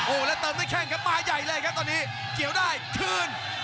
แล้วเติมด้วยแข้งครับมาใหญ่เลยครับตอนนี้เกี่ยวได้คืน